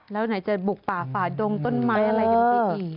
แล้วไหนจะบุกป่าฝ่าดงต้นไม้อะไรกันไปอีก